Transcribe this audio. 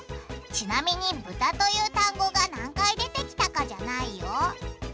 ちなみに「ブタ」という単語が何回出てきたかじゃないよ。